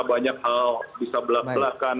banyak hal bisa berlaku laku